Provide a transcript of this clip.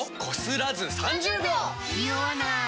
ニオわない！